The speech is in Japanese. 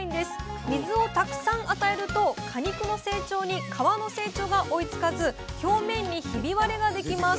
水をたくさん与えると果肉の成長に皮の成長が追いつかず表面にヒビ割れができます。